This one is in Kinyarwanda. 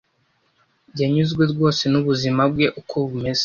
Yanyuzwe rwose nubuzima bwe uko bumeze.